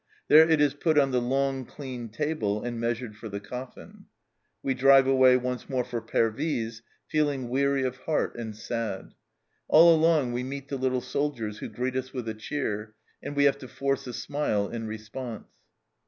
There it is put on the long clean table, and measured for the coffin. We drive away once more for Pervyse, feeling weary of heart and sad. All along we meet the little soldiers who greet us with a cheer, and we have to force a smile in response."